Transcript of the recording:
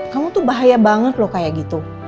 kamu tuh bahaya banget loh kayak gitu